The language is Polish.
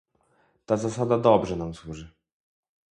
Ta zasada dobrze nam służy